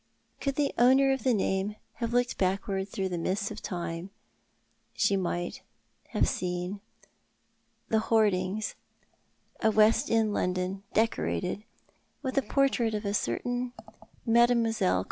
Could the owner of the name have looked backward through the mists of tiaie, she might have seen the hoardings of West 324 Tlioti art the I\lan. End London decorated n ith the portrait of a certain Mrllle.